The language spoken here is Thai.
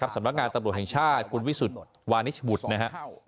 สำนักงานตำรวจแห่งชาติคุณวิสุทธิ์วานิชบุตรนะครับ